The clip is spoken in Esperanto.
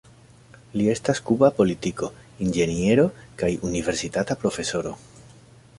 Li estas kuba politiko, inĝeniero kaj universitata profesoro.